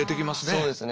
そうですね。